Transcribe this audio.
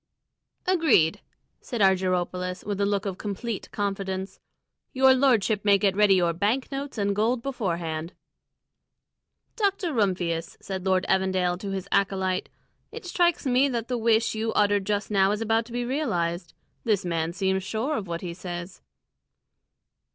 "Agreed!" said Argyropoulos, with a look of complete confidence. "Your lordship may get ready your bank notes and gold beforehand." "Dr. Rumphius," said Lord Evandale to his acolyte, "it strikes me that the wish you uttered just now is about to be realised. This man seems sure of what he says."